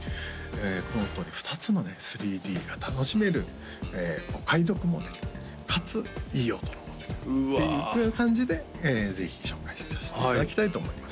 このとおり２つの３Ｄが楽しめるお買い得モデルかついい音のモデルっていう感じでぜひ紹介させていただきたいと思います